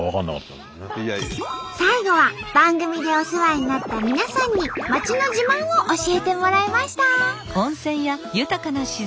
最後は番組でお世話になった皆さんに町の自慢を教えてもらいました。